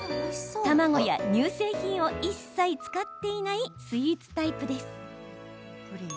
卵や乳製品を一切使っていないスイーツタイプです。